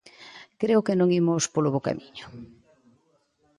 Creo que non imos polo bo camiño.